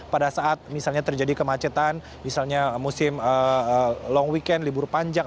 pada saat misalnya terjadi kemacetan misalnya musim long weekend libur panjang